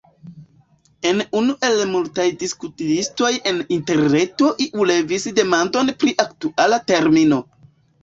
En unu el la multaj diskutlistoj en interreto iu levis demandon pri aktuala termino.